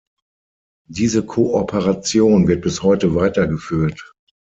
Diese Kooperation wird bis heute weitergeführt.